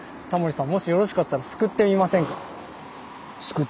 もしよろしかったらすくってみませんか。